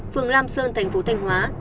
phường lam sơn tp thanh hóa